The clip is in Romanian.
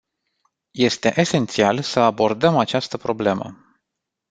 Este esențial să abordăm această problemă.